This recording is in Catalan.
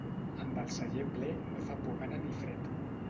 Amb el celler ple no fa por gana ni fred.